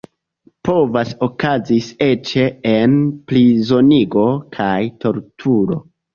Povas okazis eĉ enprizonigo kaj torturo.